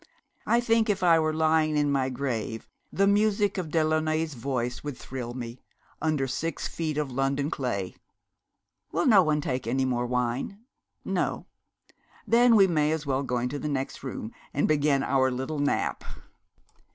I think if I were lying in my grave, the music of Delaunay's voice would thrill me, under six feet of London clay. Will no one take any more wine? No. Then we may as well go into the next room and begin our little Nap.'